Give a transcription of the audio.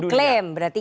itu klaim berarti kan